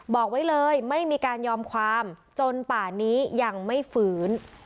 บอกไว้เลยไม่มีการยอมความจนป่านี้ยังไม่ฟื้น